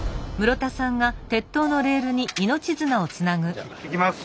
じゃ行ってきます。